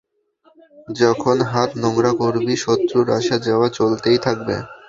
যখন হাত নোংরা করবি শত্রুর আসা-যাওয়া চলতেই থাকবে।